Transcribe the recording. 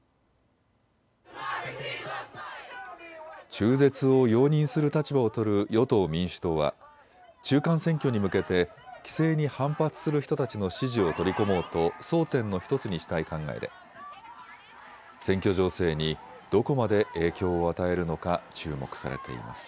中絶を容認する立場を取る与党・民主党は中間選挙に向けて規制に反発する人たちの支持を取り込もうと争点の１つにしたい考えで選挙情勢にどこまで影響を与えるのか注目されています。